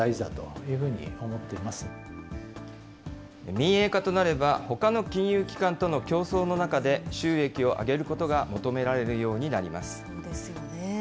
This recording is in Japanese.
民営化となれば、ほかの金融機関との競争の中で収益を上げることが求められるようそうですよね。